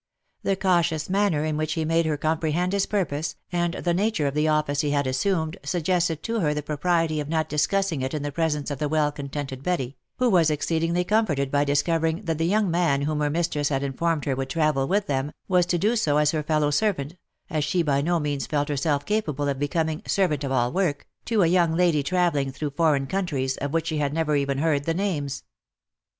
The cautious manner in which he made her comprehend his purpose, and the nature of the office he had assumed, suggested to her the propriety of not discussing it in the presence of the well contented Betty, who was exceedingly comforted by discovering that the young man whom her mistress had informed her would travel with them, was to do so as her fellow servant, as she by no means felt herself capable of becoming " servant of all work" to a young lady travelling through foreign countries, of which she had never even heard the names.